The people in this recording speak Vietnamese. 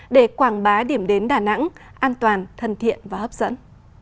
để quảng bá điểm đến đà nẵng an toàn thân thiện và hấp dẫn